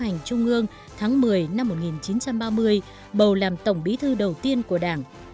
hành trung ương tháng một mươi năm một nghìn chín trăm ba mươi bầu làm tổng bí thư đầu tiên của đảng